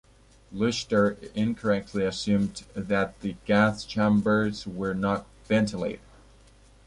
Leuchter incorrectly assumed that the gas chambers were not ventilated.